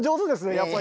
やっぱり。